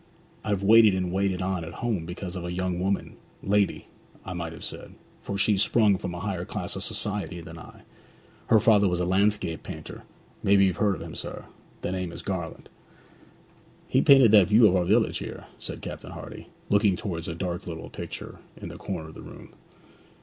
I've waited and waited on at home because of a young woman lady, I might have said, for she's sprung from a higher class of society than I. Her father was a landscape painter maybe you've heard of him, sir? The name is Garland.' 'He painted that view of our village here,' said Captain Hardy, looking towards a dark little picture in the corner of the room.